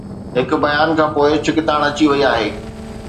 هڪ بيان کانپوءِ ڇڪتاڻ اچي وئي آهي